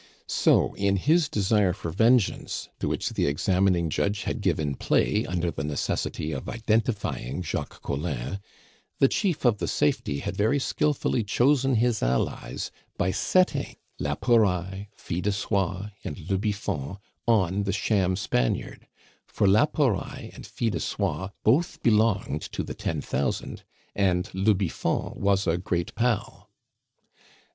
So in his desire for vengeance, to which the examining judge had given play under the necessity of identifying Jacques Collin, the chief of the "Safety" had very skilfully chosen his allies by setting la Pouraille, Fil de Soie, and le Biffon on the sham Spaniard for la Pouraille and Fil de Soie both belonged to the "Ten thousand," and le Biffon was a "Great Pal."